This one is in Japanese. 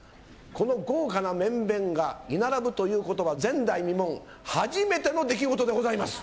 この豪華な面々が居並ぶということは、前代未聞、初めての出来事でございます。